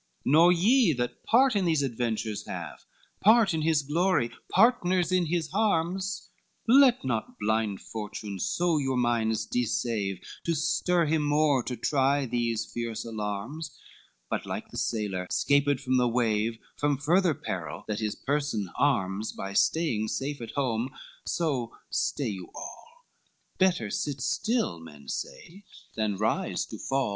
LXXIX "Nor ye that part in these adventures have, Part in his glory, partners in his harms, Let not blind Fortune so your minds deceive, To stir him more to try these fierce alarms, But like the sailor 'scaped from the wave From further peril that his person arms By staying safe at home, so stay you all, Better sit still, men say, than rise to fall."